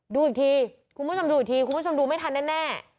ดูอีกทีคุณผู้ชมดูอีกทีคุณผู้ชมดูไม่ทันแน่